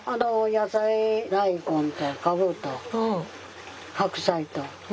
野菜大根とカブと白菜と。